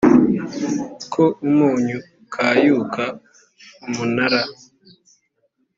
ko umunyu ukayuka umunara